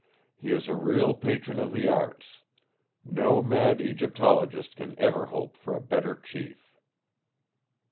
He is a real patron of the arts; no mad Egyptologist can ever hope for a better chief!"